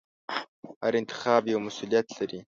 هر انتخاب یو مسوولیت لري.